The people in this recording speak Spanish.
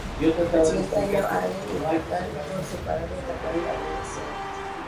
Al siguiente año, Áed y Cathal por separado atacaron Leinster.